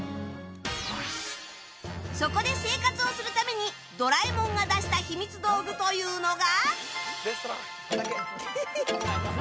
そこで生活をするためにドラえもんが出したひみつ道具というのが。